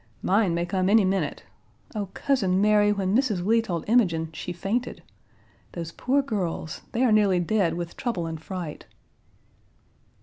Mine may come any minute. Oh, Cousin Mary, when Mrs. Lee told Imogen, she fainted! Those poor girls; they are nearly dead with trouble and fright."